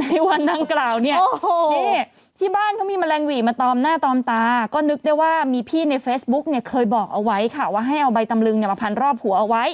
ในวันดังกล่าวเนี่ยนี่ที่บ้านเขามีแมลงหวีมาตอมหน้าตอมตาก็นึกได้ว่ามีพี่ในเฟซบุ๊กเนี่ยเคยบอกเอาไว้ค่ะว่าให้เอาใบตำลึงมาพันรอบหัวเอาไว้